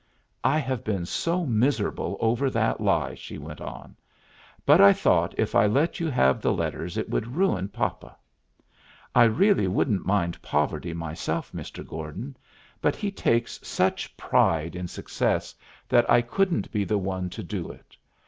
"I have been so miserable over that lie," she went on; "but I thought if I let you have the letters it would ruin papa. I really wouldn't mind poverty myself, Mr. Gordon, but he takes such pride in success that I couldn't be the one to do it.